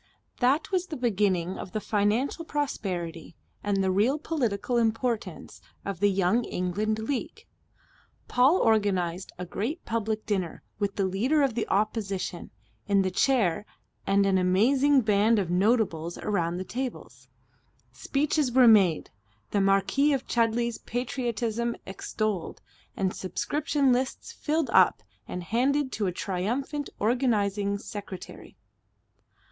That was the beginning of the financial prosperity and the real political importance of the Young England League. Paul organized a great public dinner with the Leader of the Opposition in the chair and an amazing band of notables around the tables. Speeches were made, the Marquis of Chudley's patriotism extolled, and subscription lists filled up and handed to a triumphant organizing secretary.